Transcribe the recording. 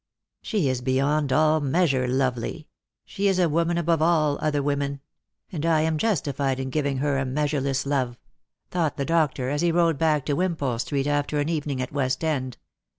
" She is beyond all measure lovely ; she is a woman above all other women; and I am justified in giving her a measureless, love," thought the doctor as he rode back to Wimpole street, after an evening at West end.